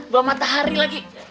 gak matahari lagi